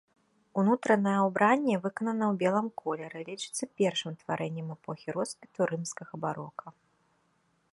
Унутранае ўбранне выканана ў белым колеры і лічыцца першым тварэннем эпохі росквіту рымскага барока.